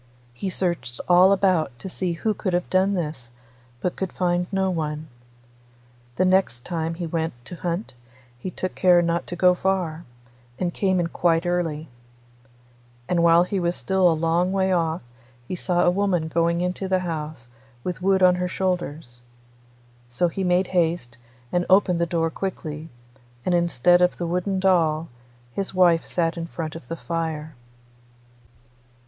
He searched all about to see who could have done this, but could find no one. The next time he went to hunt he took care not to go far, and came in quite early. And while he was still a long way off he saw a woman going into the house with wood on her shoulders. So he made haste, and opened the door quickly, and instead of the wooden doll, his wife sat in front of the fire.